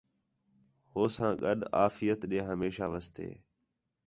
ہو ساں گڈ آفیت ݙے ہمیشاں واسطے